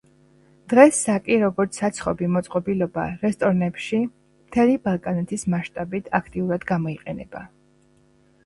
დღეს საკი როგორც საცხობი მოწყობილობა რესტორნებში მთელი ბალკანეთის მაშტაბით აქტიურად გამოიყენება.